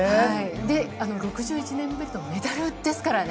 で、６１年ぶりのメダルですからね。